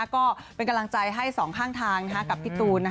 ก็เป็นกำลังใจให้สองข้างทางกับพี่ตูน